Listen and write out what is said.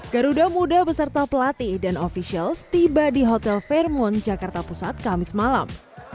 garuda muda beserta pelatih dan officials tiba di hotel fairmont jakarta pusat kamis malam